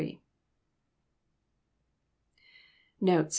Notes.